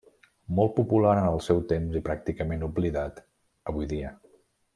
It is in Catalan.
Molt popular en el seu temps i pràcticament oblidat avui dia.